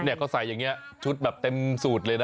เขาใส่อย่างนี้ชุดแบบเต็มสูตรเลยนะ